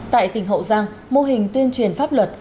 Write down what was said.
tại tỉnh hậu giang mô hình tuyên truyền pháp luật